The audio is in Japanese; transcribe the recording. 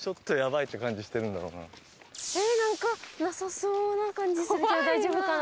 えっなんかなさそうな感じするけど大丈夫かな？